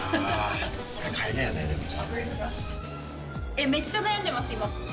えっめっちゃ悩んでます今。